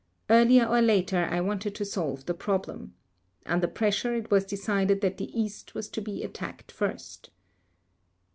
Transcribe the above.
Earlier or later I wanted to solve the problem. Under pressure it was decided that the East was to be attacked first."